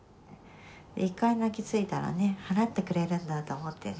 一回泣きついたらね払ってくれるんだと思ってね。